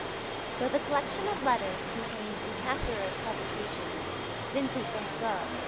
Though the collection of letters contained in Cassirer's publication, "Vincent Van Gogh.